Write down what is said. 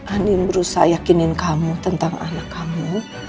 anin berusaha yakinin kamu tentang anak kamu